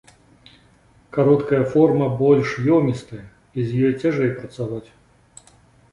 Кароткая форма больш ёмістая, і з ёй цяжэй працаваць.